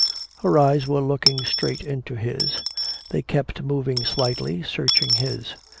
Her eyes were looking straight into his. They kept moving slightly, searching his.